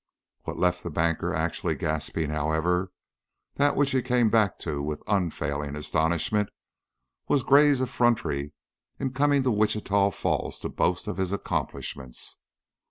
What left the banker actually gasping, however, that which he came back to with unfailing astonishment, was Gray's effrontery in coming to Wichita Falls to boast of his accomplishments.